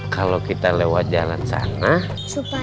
kalau kita lewat jalan kecil aja pa